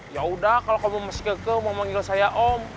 ya udah kalau kamu masih keke mau manggil saya om